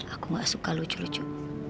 aku gak suka lucu lucu